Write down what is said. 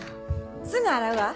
すぐ洗うわ。